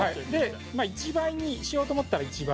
１倍にしようと思ったら１倍。